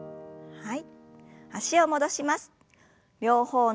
はい。